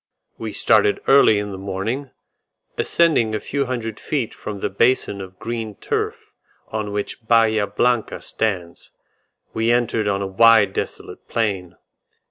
We started early in the morning; ascending a few hundred feet from the basin of green turf on which Bahia Blanca stands, we entered on a wide desolate plain.